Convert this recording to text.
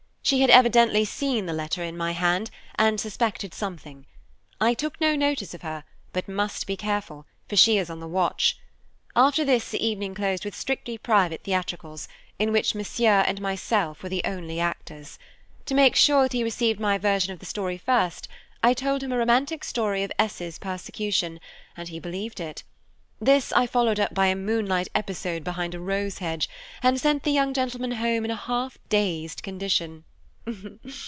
She had evidently seen the letter in my hand, and suspected something. I took no notice of her, but must be careful, for she is on the watch. After this the evening closed with strictly private theatricals, in which Monsieur and myself were the only actors. To make sure that he received my version of the story first, I told him a romantic story of S.'s persecution, and he believed it. This I followed up by a moonlight episode behind a rose hedge, and sent the young gentleman home in a half dazed condition.